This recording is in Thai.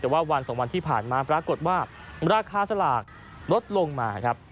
แต่ว่าวันสองวันที่ผ่านมาปรากฏว่าราคาสลากลดลงมาครับ